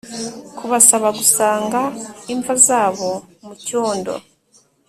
Kubasaba gusanga imva zabo mucyondo